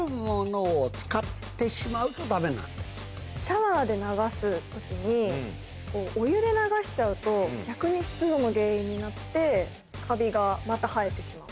シャワーで流す時にお湯で流しちゃうと逆に湿度の原因になってカビがまた生えてしまう。